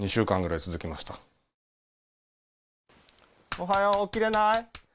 おはよう、起きれない？